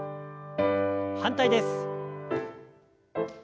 反対です。